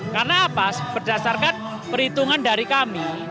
karena apa berdasarkan perhitungan dari kami